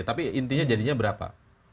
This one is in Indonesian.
tapi intinya jadinya berapa